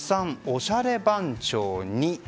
おしゃれ番長に。